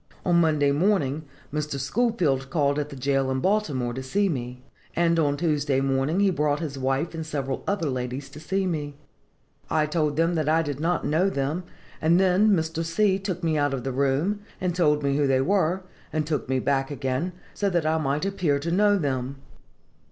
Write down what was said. "On Monday morning, Mr. Schoolfield called at the jail in Baltimore to see me; and on Tuesday morning he brought his wife and several other ladies to see me. I told them I did not know them, and then Mr. C. took me out of the room, and told me who they were, and took me back again, so that I might appear to know them.